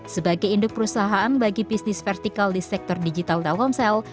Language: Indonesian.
sebagai induk perusahaan bagi bisnis vertikal di sektor digital telkomsel